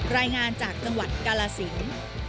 รายงานจากจังหวัดกาลสิน